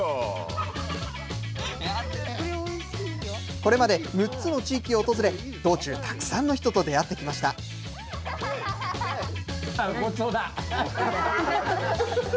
これまで６つの地域を訪れ、道中、たくさんの人と出会ってきごちそうだ。